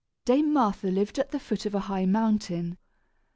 Dame Martha lived at the foot of a high mountain.